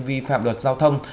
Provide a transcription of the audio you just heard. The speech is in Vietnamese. vi phạm luật giao thông